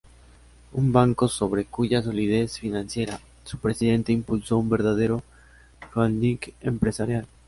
Un banco sobre cuya solidez financiera, su presidente impulsó un verdadero "holding" empresarial.